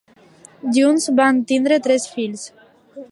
Junts van tindre tres fills.